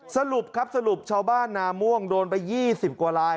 สรุปครับสรุปชาวบ้านนาม่วงโดนไป๒๐กว่าลาย